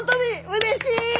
うれしい！